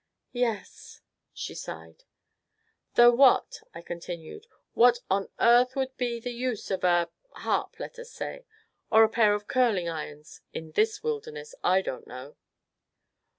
"Yes," she sighed. "Though what," I continued, "what on earth would be the use of a harp, let us say, or a pair of curling irons in this wilderness, I don't know."